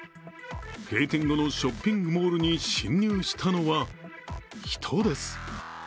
閉店後のショッピングモールに侵入したのは人です。